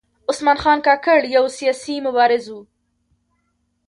عثمان خان کاکړ یو سیاسي مبارز و .